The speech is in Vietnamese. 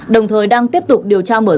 đồng thời đang tiếp tục điều tra mở rộng